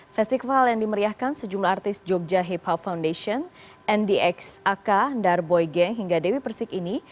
festival yang dimeriahkan sejumlah artis jogja hip hop foundation ndx ak darboy geng hingga dewi persik ini